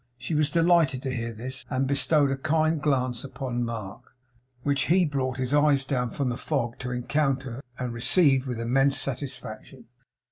She was delighted to hear this, and bestowed a kind glance upon Mark, which he brought his eyes down from the fog to encounter and received with immense satisfaction.